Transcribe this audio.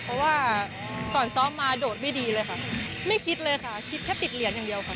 เพราะว่าก่อนซ้อมมาโดดไม่ดีเลยค่ะไม่คิดเลยค่ะคิดแค่ติดเหรียญอย่างเดียวค่ะ